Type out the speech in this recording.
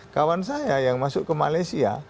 kawan saya yang masuk ke malaysia